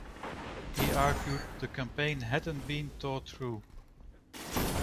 He argued the campaign hadn't "been thought through".